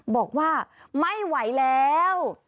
บอกว่าไม่ไหวแล้ว